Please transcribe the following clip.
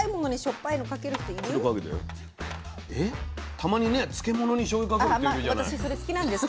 たまにね漬物にしょうゆかける人いるじゃない。